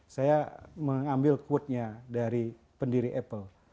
saya mengambil quote nya dari pendiri apple